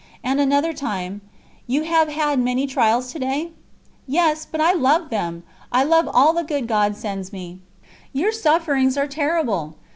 '" And another time: "You have had many trials to day?" "Yes, but I love them! ... I love all the Good God sends me!" "Your sufferings are terrible!"